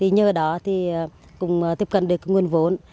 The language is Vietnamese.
nhờ đó cũng tiếp cận được nguồn vốn